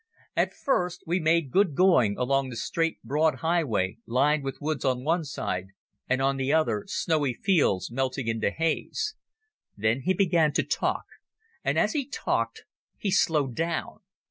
At first we made good going along the straight, broad highway lined with woods on one side and on the other snowy fields melting into haze. Then he began to talk, and, as he talked, he slowed down.